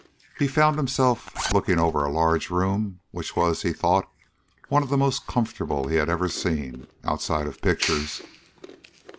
He found himself looking over a large room which was, he thought, one of the most comfortable he had ever seen outside of pictures.